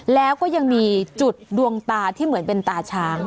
แล้วก็ยังมีจุดดวงตาที่เหมือนเป็นตาช้าง